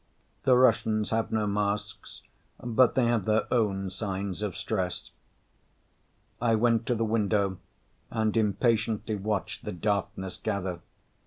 The Russians have no masks, but they have their own signs of stress. I went to the window and impatiently watched the darkness gather.